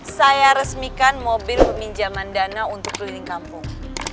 saya resmikan mobil peminjaman dana untuk keliling kampung